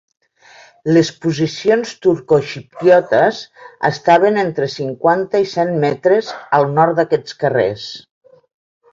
Les posicions turcoxipriotes estaven entre cinquanta i cent metres al nord d'aquests carrers.